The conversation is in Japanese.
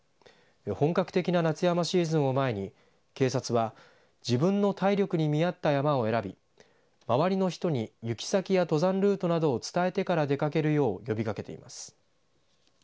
本格的な夏山シーズンを前に警察は自分の体力に見合った山を選び周りの人に行き先や登山ルートなどを伝えてから出掛けるよう呼びかけています。